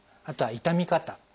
あとは痛み方